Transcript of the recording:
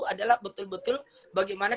adalah betul betul bagaimana